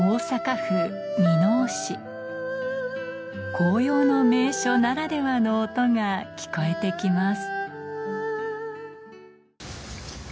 紅葉の名所ならではの音が聞こえて来ます